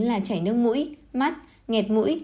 là chảy nước mũi mắt nghẹt mũi